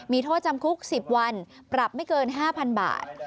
มีโทษจำคุก๑๐วันปรับไม่เกิน๕๐๐๐บาท